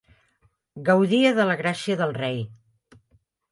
Gaudia de la gràcia del rei.